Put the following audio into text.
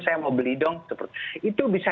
saya mau beli dong seperti itu bisa